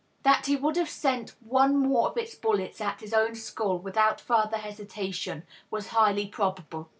That he would have sent one more of its bullets at his own skull without further hesitation, was highly probable.